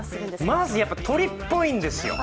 まず鶏っぽいんですよ。